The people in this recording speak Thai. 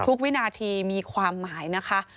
ทุกวินาทีมีความหมายนะครับ